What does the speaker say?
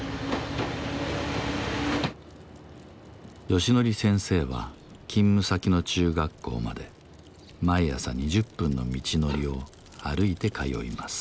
ヨシノリ先生は勤務先の中学校まで毎朝２０分の道のりを歩いて通います。